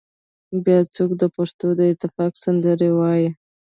بيا څوک د پښتنو د اتفاق سندرې وايي